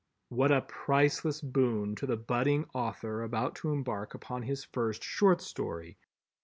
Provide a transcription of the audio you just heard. What a priceless boon to the budding author about to embark upon his first short story!